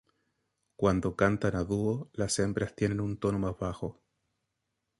Cuando cantan a dúo las hembras tienen un tono más bajo.